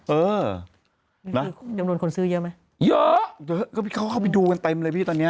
เออคือจำนวนคนซื้อเยอะไหมเยอะเยอะก็เขาเข้าไปดูกันเต็มเลยพี่ตอนเนี้ย